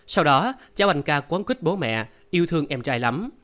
sau đó cháu anh ca quấn quýt bố mẹ yêu thương em trai lắm